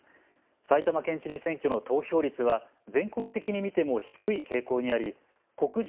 埼玉県知事選挙の投票率は全国的に見ても低い傾向にあり告示